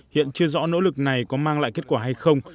hiện chưa rõ nỗ lực này có mang lại kết quả hay không